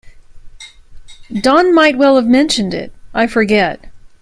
Don might well have mentioned it; I forget.